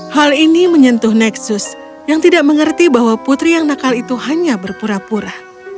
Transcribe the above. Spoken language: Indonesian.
hal ini menyentuh nexus yang tidak mengerti bahwa putri yang nakal itu hanya berpura pura